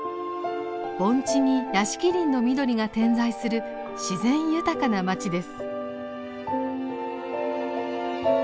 盆地に屋敷林の緑が点在する自然豊かな町です。